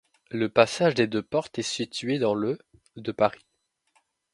Le passage des Deux-Portes est situé dans le de Paris.